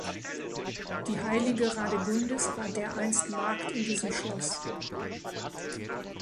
Die heilige Radegundis war dereinst Magd in diesem Schloss.